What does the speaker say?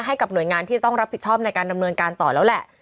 ให้กับหน่วยงานที่จะต้องรับผิดชอบในการดำเนินการต่อแล้วแหละ